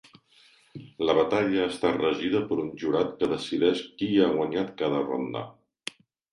La batalla està regida per un jurat que decideix qui ha guanyat cada ronda.